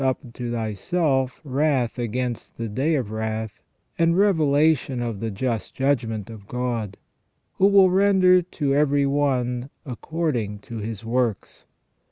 up to thyself wrath against the day of wrath and revelation of the just judgment of God, who will render to every one according to his works.